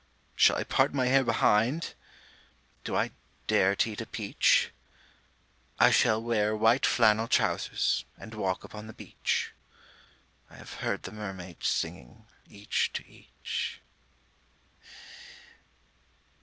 Shall I part my hair behind? Do I dare to eat a peach? I shall wear white flannel trousers, and walk upon the beach. I have heard the mermaids singing, each to each.